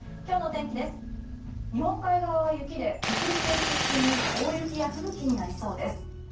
日本海側は雪で北陸を中心に大雪や吹雪になりそうです。